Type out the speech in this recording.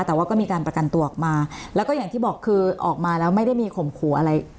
แต่ว่าก็มีการประกันตัวออกมาแล้วก็อย่างที่บอกคือออกมาแล้วไม่ได้มีข่มขู่อะไร